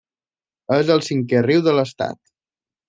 És el cinquè riu de l'estat.